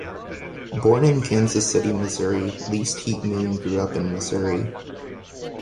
Born in Kansas City, Missouri, Least Heat-Moon grew up in Missouri.